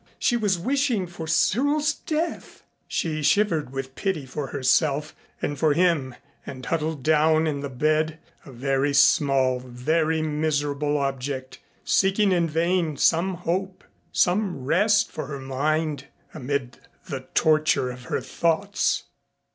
She was wishing for Cyril's death! She shivered with pity for herself and for him and huddled down in the bed, a very small, very miserable object, seeking in vain some hope, some rest for her mind amid the torture of her thoughts.